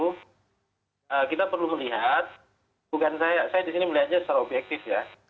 karena kita perlu melihat bukan saya saya disini melihatnya secara objektif ya